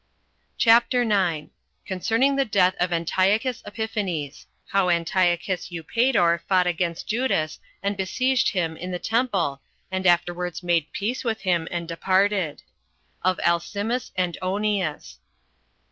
CHAPTER 9. Concerning The Death Of Antiochus Epiphane. How Antiochus Eupator Fought Against Juda And Besieged Him In The Temple And Afterwards Made Peace With Him And Departed; Of Alcimus And Onias.